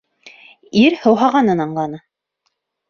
Ир һыуһағанын аңланы.